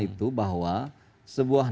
itu bahwa sebuah